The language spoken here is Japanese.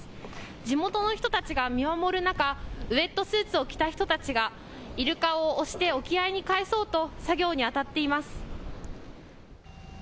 地元の人たちが見守る中、ウエットスーツを着た人たちがイルカを押して沖合に帰そうと作業にあたっています。